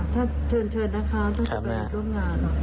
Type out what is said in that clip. ถ้าเชิญนะคะถ้าจะไปร่วมงาน